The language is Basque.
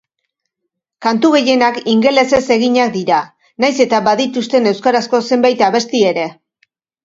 Kantu gehienak ingelesez eginak dira, nahiz eta badituzten euskarazko zenbait abesti ere.